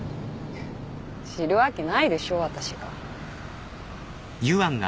知るわけないでしょ私が。